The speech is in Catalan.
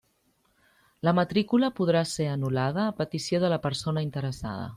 La matrícula podrà ser anul·lada a petició de la persona interessada.